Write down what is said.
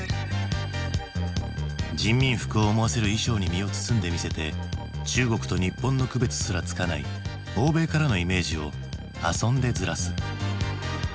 人民服を思わせる衣装に身を包んでみせて中国と日本の区別すらつかない欧米からのイメージを遊んでずらす。